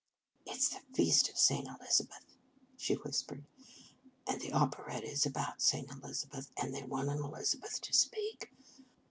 " It s the feast of St. Elizabeth," she whispered, " and the operetta is about St. Elizabeth, and they want an Eliz abeth to speak.